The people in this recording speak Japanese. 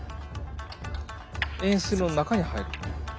円錐の中に入る。